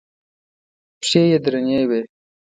پښې یې درنې وې.